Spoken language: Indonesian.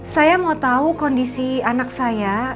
saya mau tahu kondisi anak saya